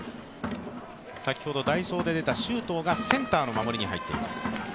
先ほど代打で出た周東がセンターの守りに入っています。